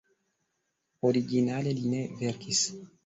Originale li ne verkis.